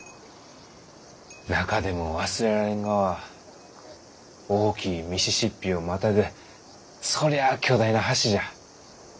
中でも忘れられんがは大きいミシシッピをまたぐそりゃあ巨大な橋じゃ。